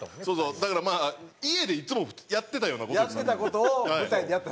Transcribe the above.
だからまあ家でいつもやってたような事ですから。